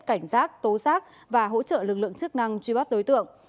cảnh giác tố giác và hỗ trợ lực lượng chức năng truy bắt đối tượng